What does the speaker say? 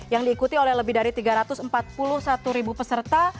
yang diikuti oleh lebih dari tiga ratus empat puluh satu ribu peserta